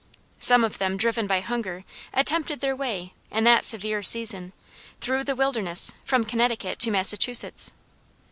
Some of them driven by hunger attempted their way, in that severe season, through the wilderness, from Connecticut to Massachusetts.